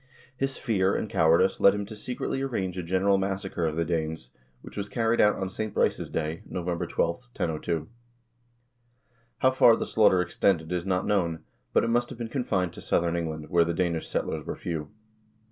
His fear and cowardice led him to secretly arrange a general massacre of the Danes, which was carried out on St. Brice's Day (Nov. 12), 1002. How far the slaughter extended, is not known, but it must have been confined to southern England, where the Danish settlers were few.